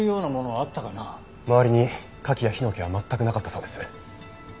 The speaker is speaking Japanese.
周りに火器や火の気は全くなかったそうです。